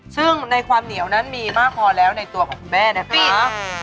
ซึ่งในความเหนียวนั้นมีมากพอแล้วในตัวของคุณแม่นะคะ